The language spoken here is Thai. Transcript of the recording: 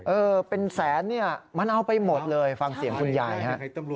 เออเป็นแสนเนี่ยมันเอาไปหมดเลยฟังเสียงคุณยายฮะ